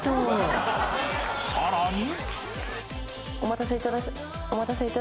［さらに］